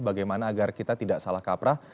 bagaimana agar kita tidak salah kaprah